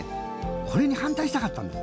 これに反対したかったんです。